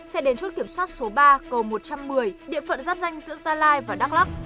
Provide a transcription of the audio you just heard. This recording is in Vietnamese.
sẽ đến chốt kiểm soát số ba cầu một trăm một mươi địa phận giáp danh giữa gia lai và đắk lắc